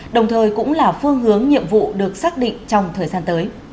đồng thời cũng là phương hướng nhiệm vụ được xác định trong thời gian tới